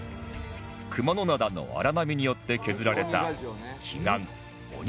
熊野灘の荒波によって削られた奇岩鬼ヶ城